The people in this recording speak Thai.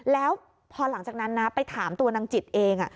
แล้วพอหลังจากนั้นนะไปถามตัวนางจิตเอง